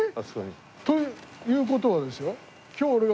という事はですよ。